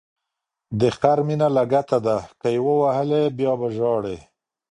د خر مینه لګته ده، که یې ووهلی بیا به ژاړی.